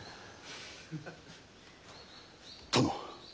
殿。